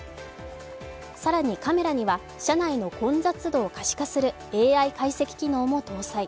更にカメラには車内の混雑度を可視化するＡＩ解析機能も搭載。